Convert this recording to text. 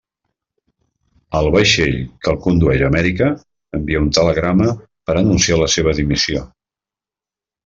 Al vaixell que el condueix a Amèrica, envia un telegrama per anunciar la seva dimissió.